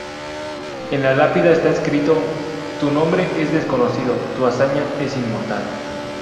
En la lápida está escrito: ""Tu nombre es desconocido, tu hazaña es inmortal.